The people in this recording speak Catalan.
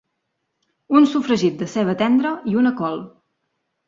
Un sofregit de ceba tendra i una col.